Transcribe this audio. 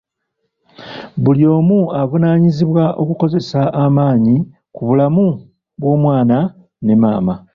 Buli omu avunaanyizibwa okukozesa amaanyi ku bulamu bw'omwana ne maama.